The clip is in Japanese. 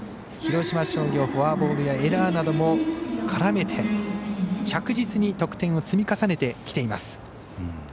広島商業フォアボールやエラーなども絡めて着実に得点を積み重ねてきています。